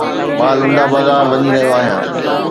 مان لنڊا بازار وڃي رهيو آهيان.